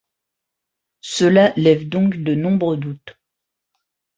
Cela lève donc de nombreux doutes.